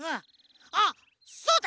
あっそうだ！